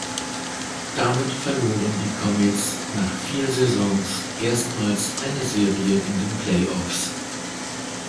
Damit verloren die Comets nach vier Saisons erstmals eine Serie in den Playoffs.